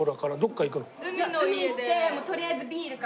海行ってとりあえずビールから。